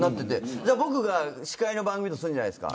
じゃあ、僕が司会の番組だとするじゃないですか。